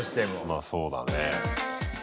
まあ、そうだね。